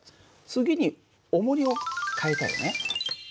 次におもりを変えたよね。